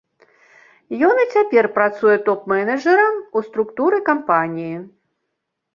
Ён і цяпер працуе топ-менеджарам у структуры кампаніі.